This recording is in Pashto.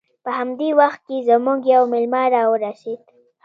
په همدې وخت کې زموږ یو میلمه راورسید